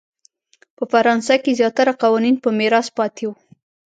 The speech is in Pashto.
په فرانسه کې زیاتره قوانین په میراث پاتې وو.